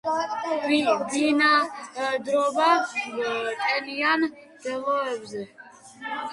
ბინადრობდა ტენიან მდელოებზე.